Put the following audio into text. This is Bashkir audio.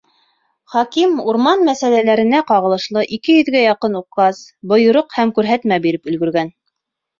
Хаким урман мәсьәләләренә ҡағылышлы ике йөҙгә яҡын указ, бойороҡ һәм күрһәтмә биреп өлгөргән.